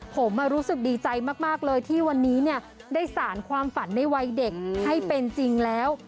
ผมรู้สึกดีใจมากเลยที่วันนี้ได้สารความฝันในวัยเด็กให้เป็นจริงแล้ว